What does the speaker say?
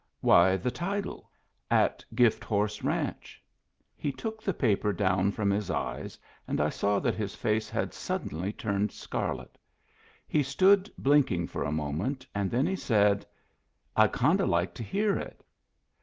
"Why, the title, * At Gift Horse Ranch.* *• He took the paper down from his eyes, and I saw that his face had suddenly turned scarlet He stood blinking for a moment, and then he said :—" I'd kind of like to hear it."